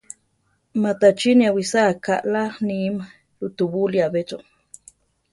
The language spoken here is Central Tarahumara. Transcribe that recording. Matachíni awisáa kaʼlá níme rutubúli ‘a be cho.